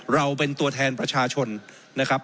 เราเป็นตัวแทนประชาชนนะครับ